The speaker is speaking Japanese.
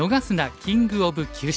キング・オブ・急所」。